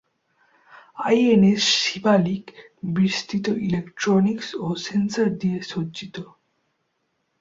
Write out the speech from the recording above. INS "Shivalik" বিস্তৃত electronics ও sensor দিয়ে সজ্জিত।